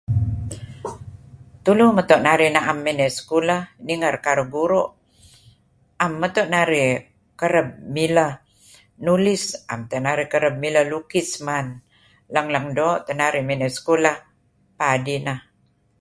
Tulu meto' narih na'em miney sekulah ninger karuh guru' 'am meto' narih kereb mileh nulis, 'am teh narih kereb mileh lukis man. Leng-leng doo' teh narih miney sekulah. Paad ineh.